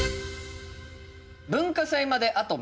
文化祭まであと３日。